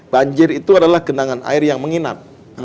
banjir itu adalah genangan air yang menginap